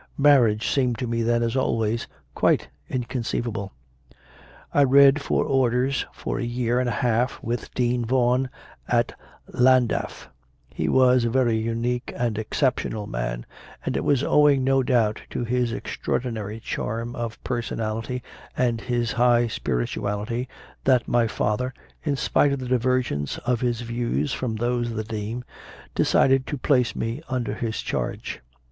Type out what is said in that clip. Marriage seemed to me then, as always, quite inconceivable. 7. I read for Orders for a year and a half with Dean Vaughan at LlandafT. He was a very unique and exceptional man, and it was owing no doubt to his extraordinary charm of personality and his high spirituality that my father, in spite of the 30 CONFESSIONS OF A CONVERT divergence of his views from those of the Dean, decided to place me under his charge.